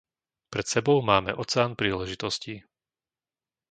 Pred sebou máme oceán príležitostí.